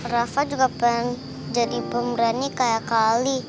rafa juga pengen jadi pemberani kayak kali